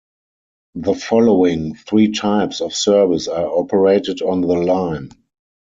The following three types of service are operated on the line.